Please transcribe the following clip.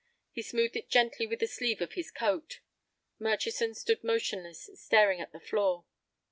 He smoothed it gently with the sleeve of his coat. Murchison stood motionless, staring at the floor.